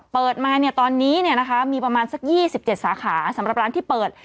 เปิดมาเนี่ยตอนนี้มีประมาณสัก๒๗สาขาสำหรับร้านที่เปิด